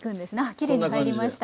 きれいに入りました。